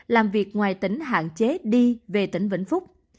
làm việc ngoài tỉnh hạn chế đi về tỉnh vĩnh phúc